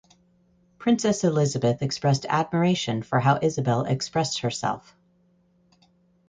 Princess Elizabeth expressed admiration for how Isabel expressed herself.